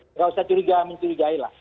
enggak usah mencurigailah